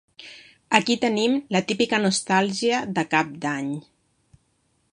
Aquí tenim la típica nostàlgia de cap d'any.